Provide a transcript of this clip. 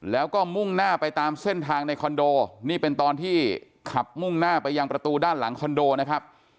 แล้วก็มุ่งหน้าไปตามเส้นทางในคอนโดนี่เป็นตอนที่ขับมุ่งหน้าไปยังประตูด้านหลังคอนโดนะครับ